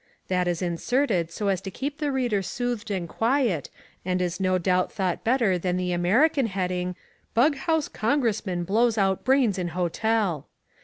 That is inserted so as to keep the reader soothed and quiet and is no doubt thought better than the American heading BUGHOUSE CONGRESSMAN BLOWS OUT BRAINS IN HOTEL.